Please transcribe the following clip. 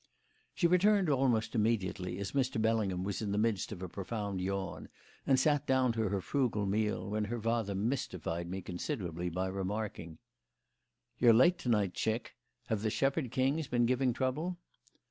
She returned almost immediately as Mr. Bellingham was in the midst of a profound yawn, and sat down to her frugal meal, when her father mystified me considerably by remarking: "You're late to night, chick. Have the Shepherd Kings been giving trouble?"